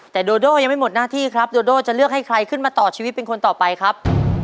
แต่โดโดยังไม่หมดหน้าที่ครับโดโดจะเลือกให้ใครขึ้นมาต่อชีวิตเป็นคนต่อไปครับ